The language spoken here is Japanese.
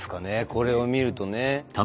これを見るとね。